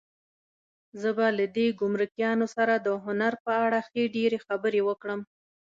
زه به له دې ګمرکیانو سره د هنر په اړه ښې ډېرې خبرې وکړم.